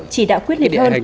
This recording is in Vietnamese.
chỉ đạo quyết liệt hơn